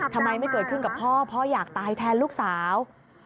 ทำไมไม่เกิดขึ้นกับพ่อพ่ออยากตายแทนลูกสาว